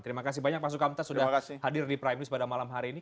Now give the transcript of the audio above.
terima kasih banyak pak sukamta sudah hadir di prime news pada malam hari ini